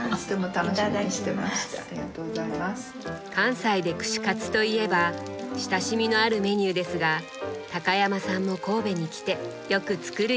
関西で串カツといえば親しみのあるメニューですが高山さんも神戸に来てよく作るようになったとか。